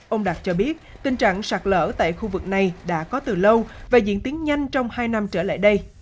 ông đạt cho biết tình trạng sạt lở tại khu vực này đã có từ lâu và diễn tiến nhanh trong hai năm trở lại đây